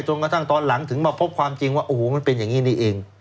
จนตอนหลังถึงมาพบความจริงว่าเอ้าหูมันเป็นฉันเอง